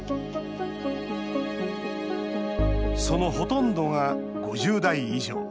そのほとんどが５０代以上。